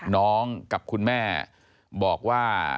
กับคุณแม่บอกว่า